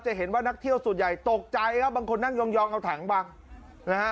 เห็นว่านักเที่ยวส่วนใหญ่ตกใจครับบางคนนั่งยองเอาถังบังนะฮะ